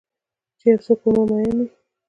چې یو څوک پر مامین وي